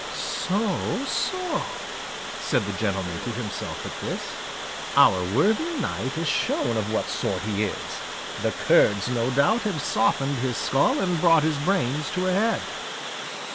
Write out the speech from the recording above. "So, so," said the gentleman to himself at this; "our worthy knight has shown of what sort he is; the curds, no doubt, have softened his skull and brought his brains to a head."